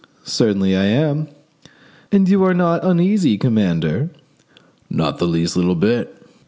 "Certainly I am." "And you are not uneasy, commander?" "Not the least little bit."